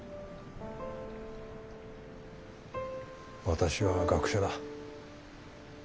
私は学者だ。